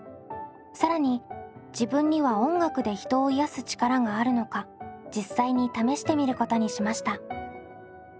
更に自分には音楽で人を癒す力があるのか実際に試してみることにしました。